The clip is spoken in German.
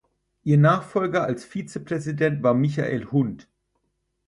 Ihr Nachfolger als Vizepräsident war Michael Hund.